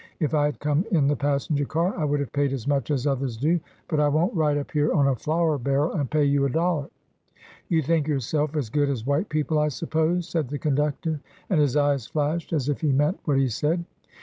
" If I had come in the passenger car, I would have paid as much as others do; but I won 't ride up here on a flour barrel, and pay you a dollar." " You think yourself as good as white people, I suppose?" said the conductor; and his eyes flashed as if he meant what he said.